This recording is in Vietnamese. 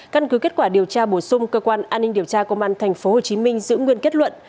căn cứ kết quả điều tra bổ sung cơ quan an ninh điều tra công an tp hcm giữ nguyên kết luận